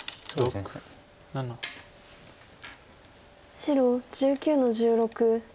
白１９の十六ツギ。